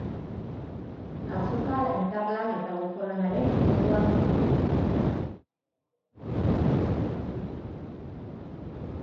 Azoka elkarlan eta auzolanaren eredua da.